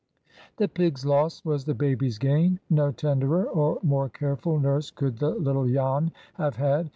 The pigs' loss was the baby's gain. No tenderer or more careful nurse could the little Jan have had.